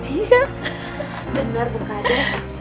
iya bener bu kada